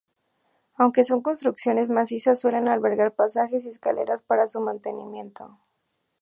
Aunque son construcciones macizas, suele albergar pasajes y escaleras para su mantenimiento.